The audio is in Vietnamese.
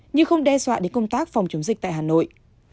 nhưng không đe dọa đến công tác phòng chống dịch tại hà nội